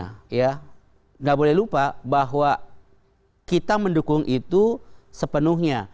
tidak boleh lupa bahwa kita mendukung itu sepenuhnya